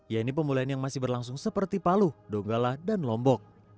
yaitu pemulihan yang masih berlangsung seperti palu donggala dan lombok